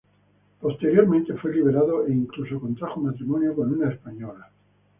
Posteriormente fue liberado e incluso contrajo matrimonio con una española.